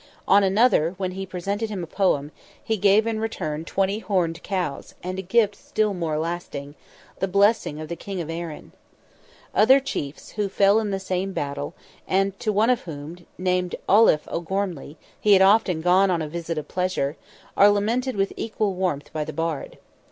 On another, when he presented him a poem, he gave in return twenty horned cows, and a gift still more lasting, "the blessing of the King of Erin." Other chiefs, who fell in the same battle, and to one of whom, named Auliffe O'Gormley, he had often gone "on a visit of pleasure," are lamented with equal warmth by the bard.